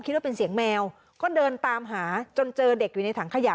คิดว่าเป็นเสียงแมวก็เดินตามหาจนเจอเด็กอยู่ในถังขยะ